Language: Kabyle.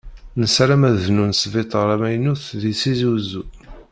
Nessaram ad bnun sbitaṛ amaynut di tizi wezzu.